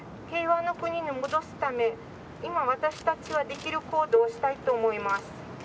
平和の国に戻すため、今、私たちはできる行動をしたいと思います。